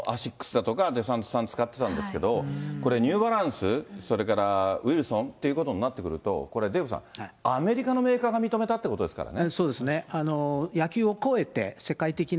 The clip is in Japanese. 日ハム時代からお世話になってたんで、アシックスだとか、デサントさん使ってたんですけど、これ、ニューバランス、それからウイルソンということになってくると、これ、デーブさん、アメリカのメーカーが認めたってことですからね。